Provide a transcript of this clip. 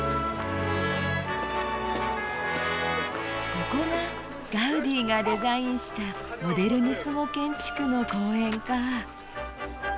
ここがガウディがデザインしたモデルニスモ建築の公園かぁ！